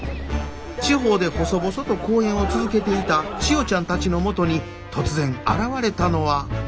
地方で細々と公演を続けていた千代ちゃんたちのもとに突然現れたのは。